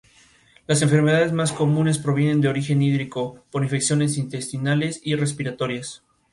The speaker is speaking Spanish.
Las enfermedades más comunes provienen de origen hídrico, por infecciones intestinales y respiratorias.